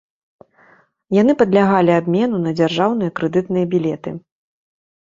Яны падлягалі абмену на дзяржаўныя крэдытныя білеты.